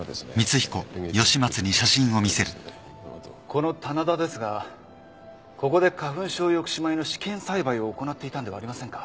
この棚田ですがここで花粉症抑止米の試験栽培を行っていたんではありませんか？